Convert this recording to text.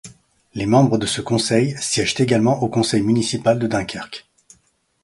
Les membres de ce conseil siègent également au conseil municipal de Dunkerque.